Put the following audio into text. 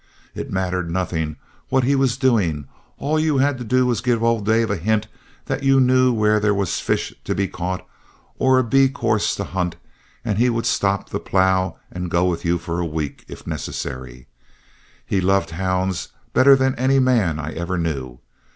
It mattered nothing what he was doing, all you had to do was to give old Dave a hint that you knew where there was fish to be caught, or a bee course to hunt, and he would stop the plow and go with you for a week if necessary. He loved hounds better than any man I ever knew.